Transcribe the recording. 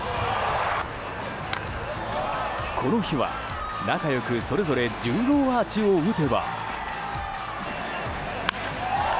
この日は仲良くそれぞれ１０号アーチを打てば。